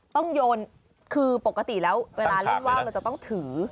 โยนคือปกติแล้วเวลาเล่นว่าวเราจะต้องถือ